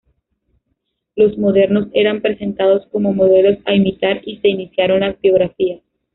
Los modernos eran presentados como modelos a imitar, y se iniciaron las biografías.